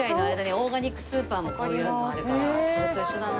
オーガニックスーパーもこういうのあるからそれと一緒だな。